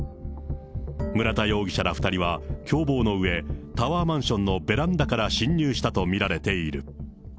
村田容疑者ら２人は共謀のうえ、タワーマンションのベランダから侵入したと見られている。